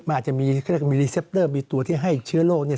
มันอาจจะให้รีเซปเตอร์มีตัวที่ให้เชื้อโรค